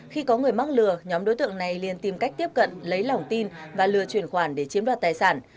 khi có người mắc lừa nhóm đối tượng này liên tìm cách tiếp cận lấy lòng tin và lừa truyền khoản để chiếm đoạt tài sản